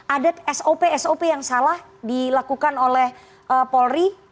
ada sop sop yang salah dilakukan oleh polri